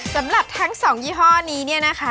สำหรับทั้ง๒ยี่ห้อนี้เนี่ยนะคะ